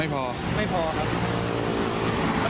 ไม่พอไม่พอครับ